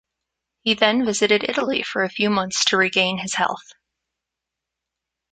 He then visited Italy for a few months to regain his health.